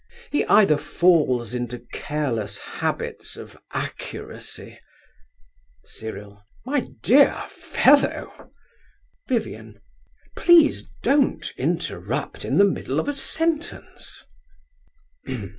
He either falls into careless habits of accuracy—' CYRIL. My dear fellow! VIVIAN. Please don't interrupt in the middle of a sentence.